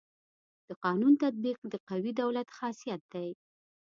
د قانون تطبیق د قوي دولت خاصيت دی.